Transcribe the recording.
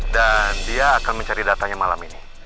dan dia akan mencari datanya malam ini